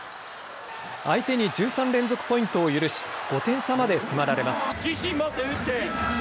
相手に１３連続ポイントを許し５点差まで迫られます。